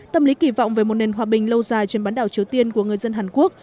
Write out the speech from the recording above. tâm lý kỳ vọng về một nền hòa bình lâu dài trên bán đảo triều tiên của người dân hàn quốc